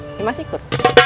ini masih ikut